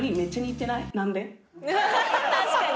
確かに。